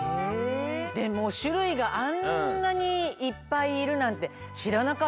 でもしゅるいがあんなにいっぱいいるなんてしらなかったわ。